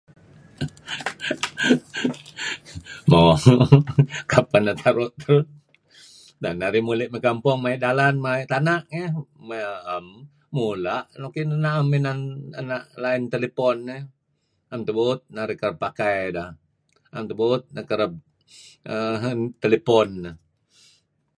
Mo... kapeh neh taru' terun. Neh neh narih mey kampong maya' dalan maya' tana' n gih. Mula' nuk na'em inan ena' lain telepon ihh. 'Em tebuut narih kereb pakai deh. 'Em tebuut narih kereb telepon.